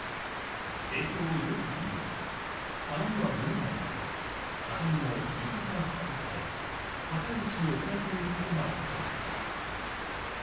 映像をよく見ると、棚には物がなく、畳も床から外され、高い位置に置かれていることがわかります。